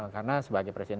karena sebagai presiden